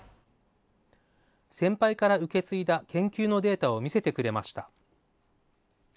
先輩から受け継いだ研究のデータを見せてくれました。